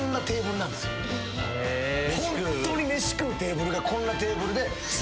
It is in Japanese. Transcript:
テーブルがこんなテーブルで。